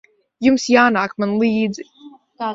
Jums jānāk man līdzi.